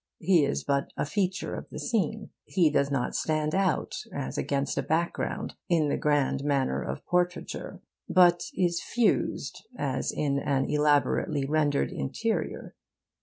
He is but a feature of the scene. He does not stand out as against a background, in the grand manner of portraiture, but is fused as in an elaborately rendered 'interior.